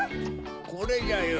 これじゃよ。